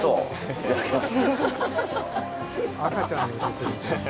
いただきます。